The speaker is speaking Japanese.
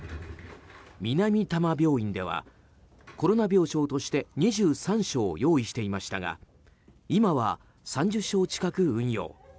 南多摩病院ではコロナ病床として２３床用意していましたが今は３０床近く運用。